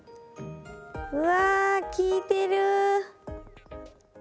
うわ効いてる！